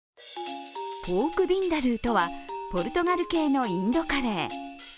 ポークビンダルーとはポルトガル系のインドカレー。